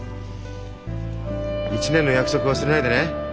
１年の約束忘れないでね！